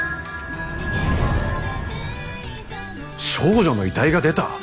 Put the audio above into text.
少女の遺体が出た！？